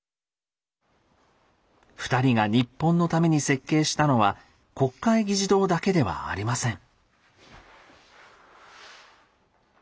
２人が日本のために設計したのは国会議事堂だけではありません。